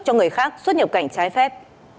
cho người khác xuất nhập cảnh trái phép